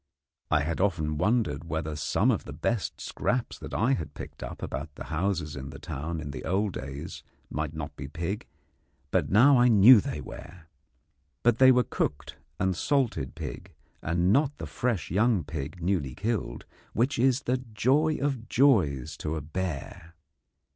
I had often wondered whether some of the best scraps that I had picked up about the houses in the town in the old days might not be pig, and now I know that they were. But they were cooked and salted pig, and not the fresh young pig newly killed, which is the joy of joys to a bear.